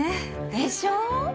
でしょ？